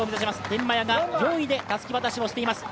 天満屋が４位でたすき渡しを終えています。